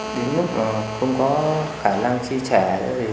đến lúc mà không có khả năng chi trả